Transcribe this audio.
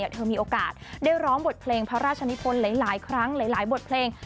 เธอมีโอกาสได้ร้องบทเพลงพระราชนิพลหลายครั้งหลายบทเพลง